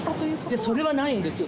いや、それはないんですよ。